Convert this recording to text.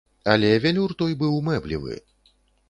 Але велюр той быў мэблевы.